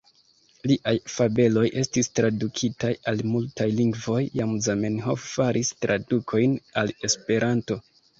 Liaj fabeloj estis tradukitaj al multaj lingvoj; jam Zamenhof faris tradukojn al Esperanto.